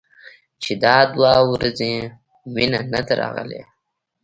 چې دا دوه ورځې مينه نه ده راغلې.